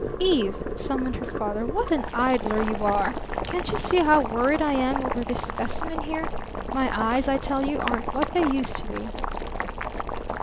"Eve!" summoned her father. "What an idler you are! Can't you see how worried I am over this specimen here? My eyes, I tell you, aren't what they used to be."